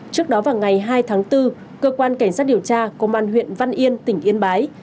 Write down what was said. trước đó vào ngày hai tháng bốn cơ quan cảnh sát điều tra công an huyện văn yên tỉnh yên bái